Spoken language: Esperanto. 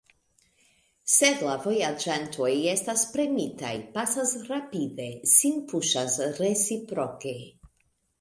Sed la vojaĝantoj estas premitaj, pasas rapide, sin puŝas reciproke.